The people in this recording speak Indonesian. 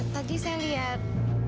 tadi saya lihat